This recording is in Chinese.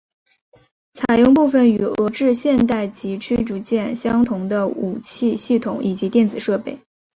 采用部分与俄制现代级驱逐舰相同的武器系统以及电子设备。